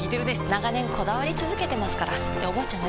長年こだわり続けてますからっておばあちゃん